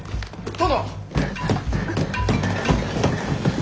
殿！